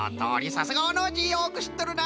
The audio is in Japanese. さすがはノージーよくしっとるな。